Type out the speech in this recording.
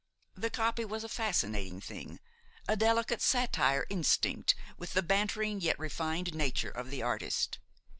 The copy was a fascinating thing, a delicate satire instinct with the bantering yet refined nature of the artist.